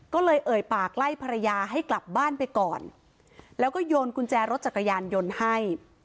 ก็เลยเอ่ยปากไล่ภรรยาให้กลับบ้านไปก่อนแล้วก็โยนกุญแจรถจักรยานยนต์ให้